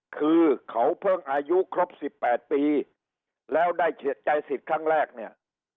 คือเขาเพิ่งอายุครบ๑๘ปีแล้วได้ใจสิทธิ์ครั้งแรกเนี่ย